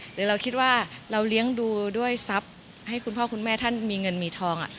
หรือเราคิดว่าเราเลี้ยงดูด้วยทรัพย์ให้คุณพ่อคุณแม่ท่านมีเงินมีทอง